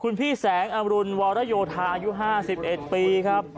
คุณพี่แสงอำรุณวรโยธาอายุ๕๑ปีครับ